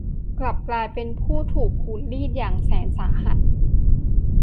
กลับกลายเป็นผู้ถูกขูดรีดอย่างแสนสาหัส